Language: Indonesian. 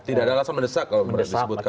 tidak ada alasan mendesak kalau disebutkan